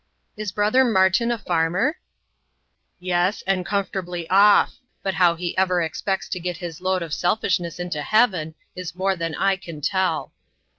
"Is brother Martin a farmer?" "Yes, and comfortably off; but how he ever expects to get his load of selfishness into heaven, is more than I can tell."